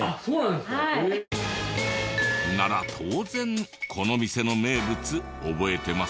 なら当然この店の名物覚えてますよね？